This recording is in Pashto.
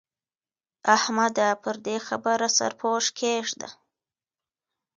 احمده! پر دې خبره سرپوښ کېږده.